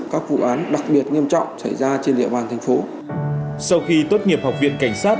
các vụ án đặc biệt nghiêm trọng xảy ra trên địa bàn thành phố sau khi tốt nghiệp học viên cảnh sát